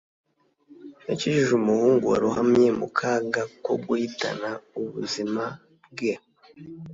yakijije umuhungu warohamye mu kaga ko guhitana ubuzima bwe